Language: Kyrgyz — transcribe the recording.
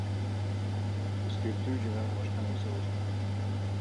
Эскертүү же дагы башка нерсе болушу мүмкүн.